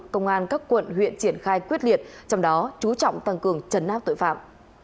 công an các quận huyện triển khai quyết liệt trong đó chú trọng tăng cường trấn áp tội phạm